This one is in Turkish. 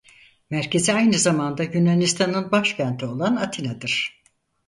Merkezi aynı zamanda Yunanistan'ın başkenti olan Atina'dır.